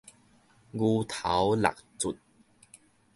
牛頭六卒